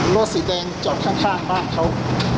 รถสีแดงจอดข้างบ้านเขา